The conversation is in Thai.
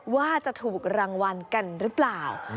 ว่าจะถูกรางวัลกันหรือเปล่า